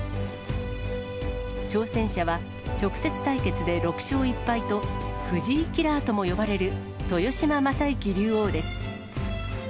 挑戦者は、直接対決で６勝１敗と、藤井キラーとも呼ばれる、豊島将之竜王です。